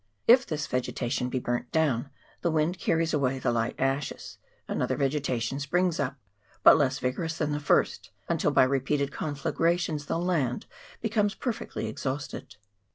If this vegetation he burnt down, the wind carries away the light ashes another vegetation springs up, but less vigorous than the first, until by re peated conflagrations the land becomes perfectly exhausted.